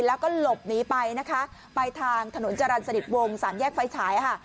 แล้วก็หลบหนีไปนะคะไปทางถนนจรรย์สนิทวงสามแยกไฟฉายค่ะ